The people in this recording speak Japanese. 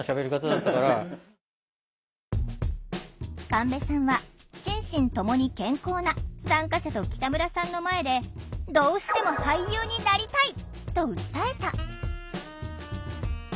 神戸さんは心身ともに健康な参加者と北村さんの前で「どうしても俳優になりたい！」と訴えた！